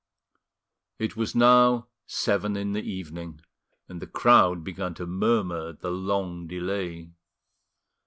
It was now seven in the evening, and the crowd began to murmur at the long delay.